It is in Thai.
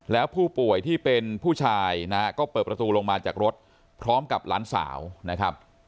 แล้วผู้ป่วยที่เป็นผู้ชายนะฮะก็เปิดประตูลงมาจากรถพร้อมกับหลานสาวนะครับ